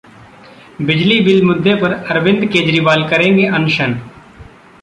बिजली बिल मुद्दे पर अरविंद केजरीवाल करेंगे अनशन